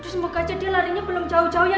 semoga aja dia larinya belum jauh jauh ya